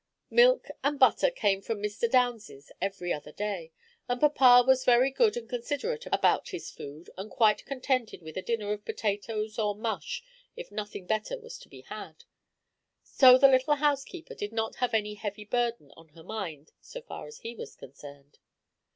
Milk and butter came from Mr. Downs's every other day, and papa was very good and considerate about his food, and quite contented with a dinner of potatoes or mush if nothing better was to be had, so the little housekeeper did not have any heavy burden on her mind so far as he was concerned.